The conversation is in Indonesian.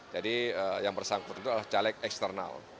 jadi yang bersangkutan itu adalah caleg eksternal